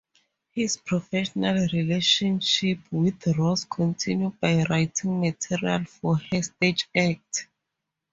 His professional relationship with Ross continued by writing material for her stage act.